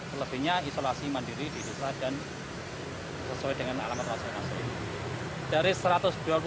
selebihnya isolasi mandiri di indonesia dan sesuai dengan alamat masing masing